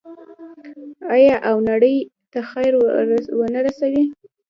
آیا او نړۍ ته خیر ورنه رسوي؟